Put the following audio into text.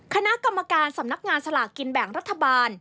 คณะกรรมการสำนักงานสลากกินแบ่งรัฐบาล